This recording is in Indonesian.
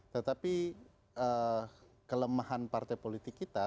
tetapi kelemahan partai politik kita